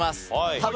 多分。